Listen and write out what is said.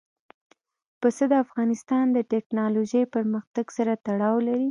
پسه د افغانستان د تکنالوژۍ پرمختګ سره تړاو لري.